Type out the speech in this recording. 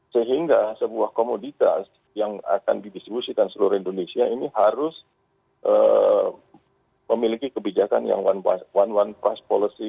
sehingga sebuah komoditas yang akan didistribusikan seluruh indonesia ini harus memiliki kebijakan yang one one price policy